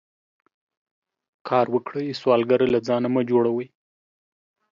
کار وکړئ سوالګر له ځانه مه جوړوئ